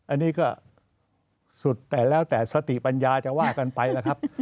อันนี้ก็สุดแต่แล้วแต่สติปัญญาจะว่ากันไปแล้วครับ